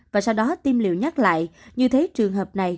và sau đó tiêm liều nhắc lại như thế trường hợp này